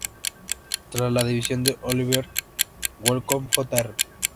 Tras la dimisión de Oliver Wolcott, Jr.